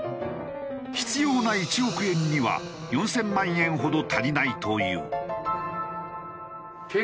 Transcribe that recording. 必要な１億円には４０００万円ほど足りないという。